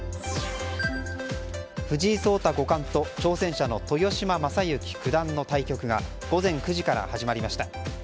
藤井聡太五冠と挑戦者の豊島将之九段の対局が午前９時から始まりました。